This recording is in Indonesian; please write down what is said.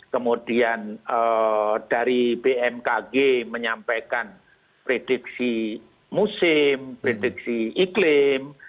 kemudian dari bmkg menyampaikan prediksi musim prediksi iklim